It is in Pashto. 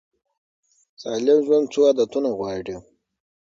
سالم ژوند څو عادتونه غواړي.